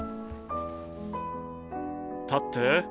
立って。